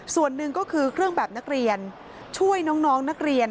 ส่วนหนึ่งก็คือเครื่องแบบนักเรียนช่วยน้องนักเรียน